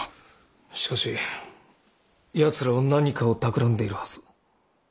しかし奴らは何かをたくらんでいるはず。